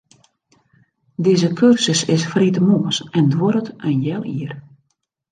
Dizze kursus is freedtemoarns en duorret in heal jier.